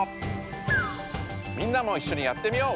みんなもいっしょにやってみよう！